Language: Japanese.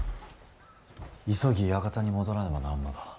急ぎ館に戻らねばならんのだ。